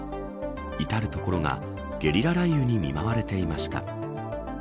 至る所がゲリラ雷雨に見舞われていました。